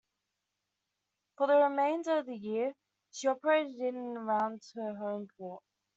For the remainder of the year, she operated in and around her home port.